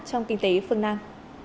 trong kinh tế phương nam